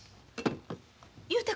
雄太